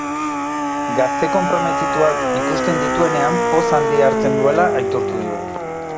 Gazte konprometituak ikusten dituenean poz handia hartzen duela aitortu digu.